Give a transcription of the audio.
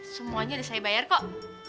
semuanya saya bayar kok